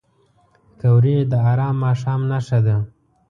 پکورې د ارام ماښام نښه ده